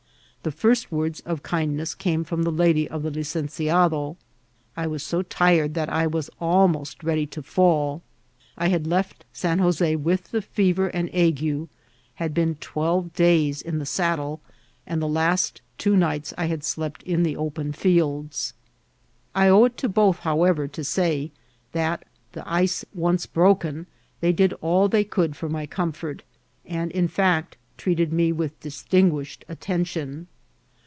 The first words of kindness came from the lady of the licenciado. I was so tired that I was almost ready to fiedl ; I had left San Jos6 with the fever and ague, had been twelve days in the saddle, and the last two nights I had slept in the open fields. I owe it to MICARAOVA. 406 both, boweTer, to say, that, the ioe once broken, they did all they could for my comfort ; and, in fact, treated me with distinguished attention.